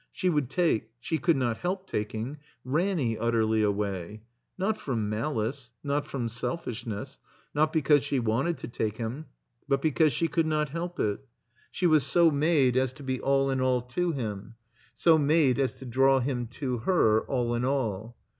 She would take — she cx)uld not help taking — ^Ranny utterly away; not from malice, not from selfishness, not because she wanted to take him, but because she could not help it. She was so made as to be all in all to him, so made as to draw him to her all in all.